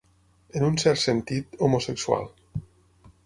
En un cert sentit, homosexual.